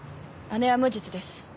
姉は無実です。